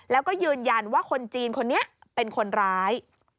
แล้วก็ยืนยันว่าคนจีนคนนี้เป็นคนร้าย